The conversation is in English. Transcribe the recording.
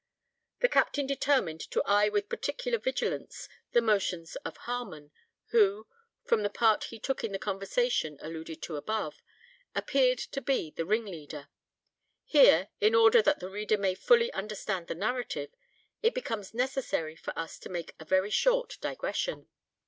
The captain determined to eye with particular vigilance the motions of Harmon, who, from the part he took in the conversation alluded to above, appeared to be the ring leader. Here, in order that the reader may fully understand the narrative, it becomes necessary for us to make a very short digression.